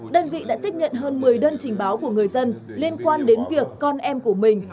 đơn vị đã tiếp nhận hơn một mươi đơn trình báo của người dân liên quan đến việc con em của mình